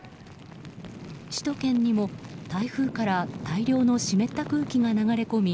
首都圏にも台風から大量の湿った空気が流れ込み